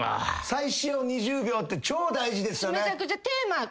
最初の２０秒って超大事ですよね。